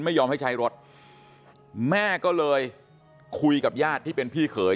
ไม่ยอมให้ใช้รถแม่ก็เลยคุยกับญาติที่เป็นพี่เขย